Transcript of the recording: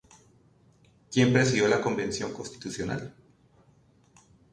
¿Quién presidió la Convención Constitucional?